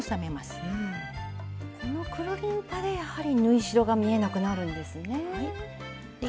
このくるりんぱでやはり縫い代が見えなくなるんですね。